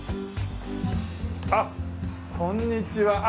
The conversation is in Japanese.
あっこんにちは。